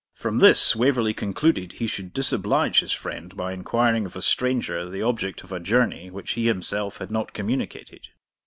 From this Waverley concluded he should disoblige his friend by inquiring of a stranger the object of a journey which he himself had not communicated.